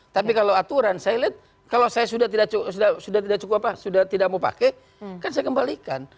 tapi kalau aturan saya lihat kalau saya sudah tidak cukup sudah tidak mau pakai kan saya kembalikan